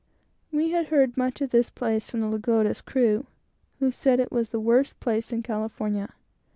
We had heard much of this place, from the Lagoda's crew, who said it was the worst place in California.